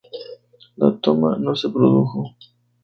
La toma no se produjo.